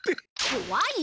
こわい？